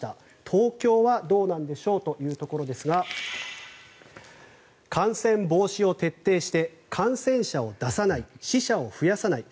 東京はどうなんでしょうというところですが感染防止を徹底して感染者を出さない死者を増やさない